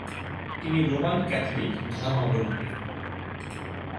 তিনি Roman Catholic ধর্মাবলম্বী।